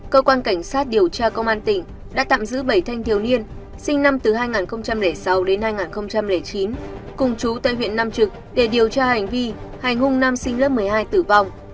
cơ quan cảnh sát điều tra công an tỉnh đã tạm giữ bảy thanh thiếu niên sinh năm hai nghìn sáu đến hai nghìn chín cùng chú tại huyện nam trực để điều tra hành vi hành hung nam sinh lớp một mươi hai tử vong